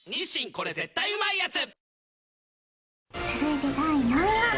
これ絶対うまいやつ」